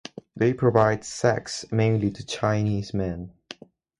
They provide sex mainly to Chinese men.